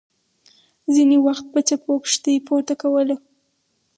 ځینې وخت به څپو کښتۍ پورته کوله.